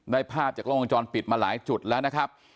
ภาพจากกล้องวงจรปิดมาหลายจุดแล้วนะครับ